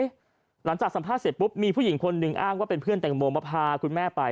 หลังจากสัมภาษณ์เสร็จปุ๊บมีผู้หญิงคนหนึ่งอ้างว่าเป็นเพื่อนแตงโมมาพาคุณแม่ไป